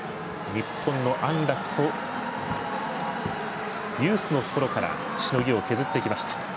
日本の安楽とユースのころからしのぎを削ってきました。